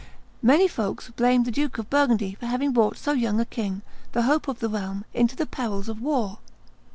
Many folks blamed the Duke of Burgundy for having brought so young a king, the hope of the realm, into the perils of war.